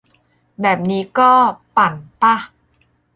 แบบนี้ก็ 'ปั่น' ป่ะ ?